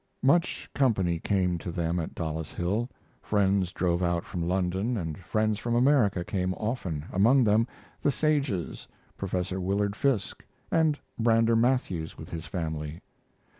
Much company came to them at Dollis Hill. Friends drove out from London, and friends from America came often, among them the Sages, Prof. Willard Fiske, and Brander Matthews with his family.